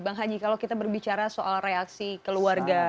bang haji kalau kita berbicara soal reaksi keluarga